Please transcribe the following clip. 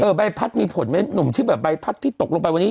ใบพัดมีผลไหมหนุ่มที่แบบใบพัดที่ตกลงไปวันนี้